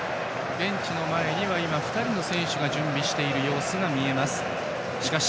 ベンチの前に２人の選手が準備している様子。